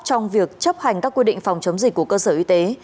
trong việc chấp hành các quy định phòng chống dịch của cơ sở y tế